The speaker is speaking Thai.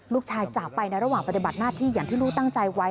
จากไปในระหว่างปฏิบัติหน้าที่อย่างที่ลูกตั้งใจไว้